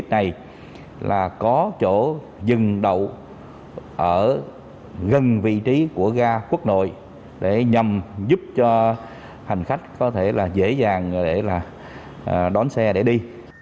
xe buýt này là có chỗ dừng đậu ở gần vị trí của ga quốc nội để nhằm giúp cho hành khách có thể là dễ dàng để là đón xe để đi